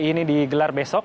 ini di gelar besok